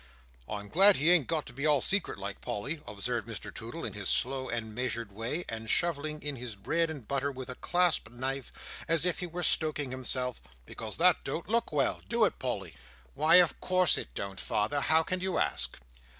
"I'm glad he ain't got to be at all secret like, Polly," observed Mr Toodle in his slow and measured way, and shovelling in his bread and butter with a clasp knife, as if he were stoking himself, "because that don't look well; do it, Polly?" "Why, of course it don't, father. How can you ask!"